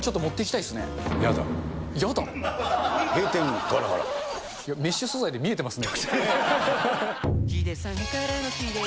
いや、メッシュ素材で見えてますね。